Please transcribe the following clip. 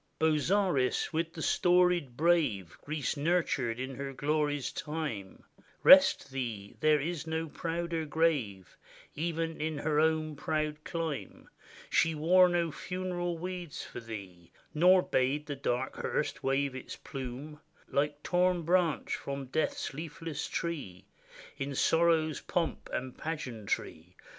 Bozzaris! with the storied brave Greece nurtured in her glory's time, Rest thee — there is no prouder grave, Even in her own proud clime. She wore no funeral weeds for thee, Nor bade the dark hearse wave its plimie Like torn branch from death's leafless tree In sorrow's pomp and pageantry.